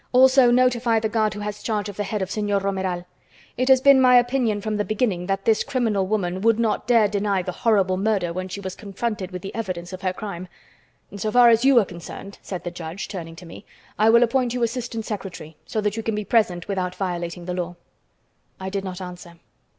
Also notify the guard who has charge of the head of Señor Romeral. It has been my opinion from the beginning that this criminal woman would not dare deny the horrible murder when she was confronted with the evidence of her crime. So far as you are concerned," said the judge, turning to me, "I will appoint you assistant secretary, so that you can be present without violating the law." I did not answer.